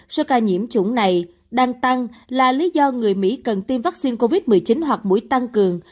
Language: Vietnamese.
số ca nhiễm chủng này đang tăng là lý do người mỹ cần tiêm vaccine covid một mươi chín hoặc mũi tăng cường